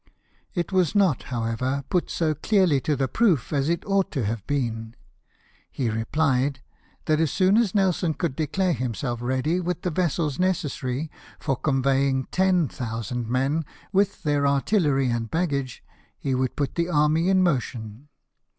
It was not, however, put so clearly to the proof as it ought to have been. He repHed that as soon as Nelson could declare himself ready with the vessels necessary for conveying 10,000 men, with their artillery and baggage, he would put the army in motion.